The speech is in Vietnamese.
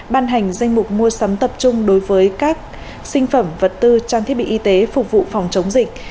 ban hành danh mục mua sắm tập trung đối với các sinh phẩm vật tư trang thiết bị y tế phục vụ phòng chống dịch